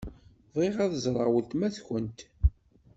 Bɣiɣ ad ẓṛeɣ weltma-tkent.